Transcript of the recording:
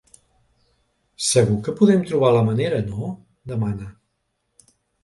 Segur que podem trobar la manera, no? —demana.